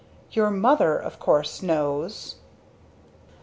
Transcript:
Your mother, of course, knows?"